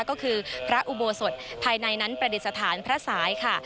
ก็คือพระอุโบสถภายในนั้นประดิษฐานพระสายค่ะ